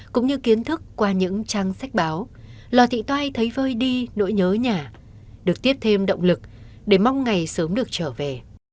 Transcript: cũng như kiến thức qua những trang sách báo lò thị toai thấy vơi đi nỗi nhớ nhà được tiếp thêm động lực để mong ngày sớm được trở về